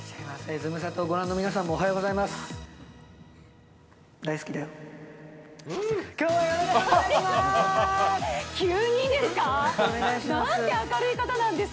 ズムサタをご覧の皆さんも、おはようございます。